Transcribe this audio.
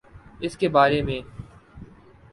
اس کے بارے میں